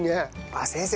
あっ先生